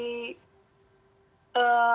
kendala dari keuangan ya